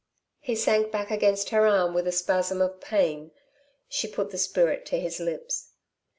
He sank back against her arm with a spasm of pain. She put the spirit to his lips.